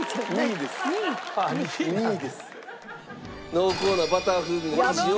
濃厚なバター風味の生地を。